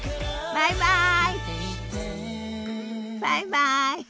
バイバイ。